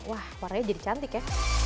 wah warnanya jadi cantik ya